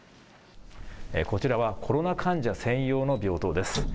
こちらはコロナ患者専用の病棟です。